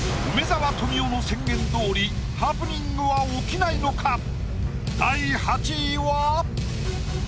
梅沢富美男の宣言どおりハプニングは起きないのか